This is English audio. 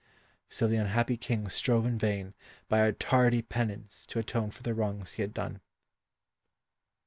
So the unhappy King strove in vain by a tardy penance to atone for the wrongs he had done.